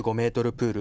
プール